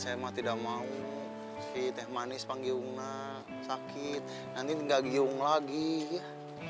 saya mah tidak mau si teh manis panggiung sakit nanti enggak giung lagi ya